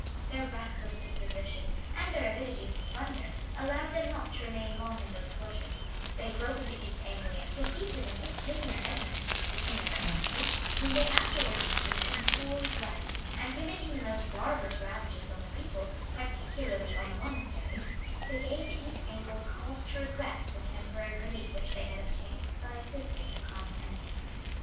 {870.} Their restless disposition, and their avidity for plunder, allowed them not to remain long in those quarters; they broke into East Anglia, defeated and took prisoner Edmund, the king of that country, whom they afterwards murdered in cool blood; and, committing the most barbarous ravages on the people, particularly on the monasteries, they gave the East Angles cause to regret the temporary relief which they had obtained, by assisting the common enemy.